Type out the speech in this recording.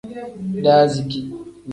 Daaziki.